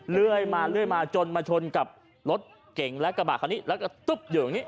เรื่อยมาเรื่อยมาจนมาชนกับรถเก่งและกระบาดคันนี้แล้วก็ตึ๊บอยู่ตรงนี้